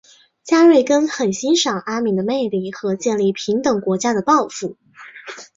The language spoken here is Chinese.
加瑞根很欣赏阿敏的魅力和建立平等国家的抱负。